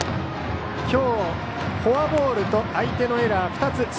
今日、フォアボールと相手のエラー２つ。